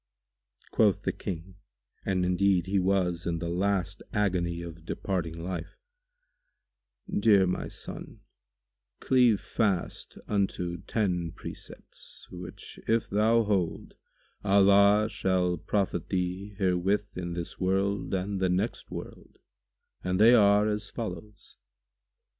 Quoth the King, and indeed he was in the last agony of departing life, "Dear my son, cleave fast unto ten precepts, which if thou hold, Allah shall profit thee herewith in this world and the next world, and they are as follows.